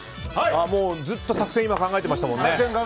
ずっと作戦を今考えていましたもんね。